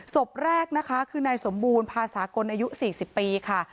ศพแรกนะคะคือนายสมบูรณ์ภาษากลอายุ๔๐ปีค่ะ